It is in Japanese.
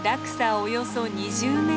およそ２０ｍ。